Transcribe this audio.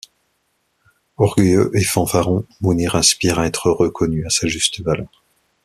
Orgueilleux et fanfaron, Mounir aspire à être reconnu à sa juste valeur.